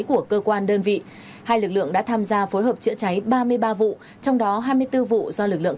của cơ quan đơn vị hai lực lượng đã tham gia phối hợp chữa cháy ba mươi ba vụ trong đó hai mươi bốn vụ do lực lượng